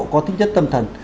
có tính chất tâm thần